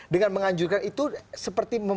dengan menganjurkan itu seperti